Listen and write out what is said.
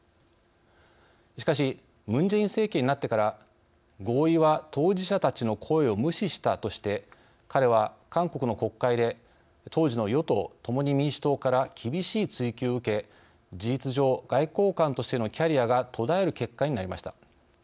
しかしムン・ジェイン政権になってから合意は当事者たちの声を無視したとして、彼は韓国の国会で当時の与党「共に民主党」から厳しい追及を受け、事実上外交官としてのキャリアが途絶える結果になりました。